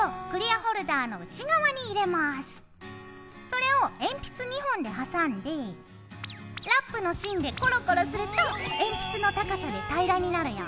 それを鉛筆２本で挟んでラップの芯でコロコロすると鉛筆の高さで平らになるよ。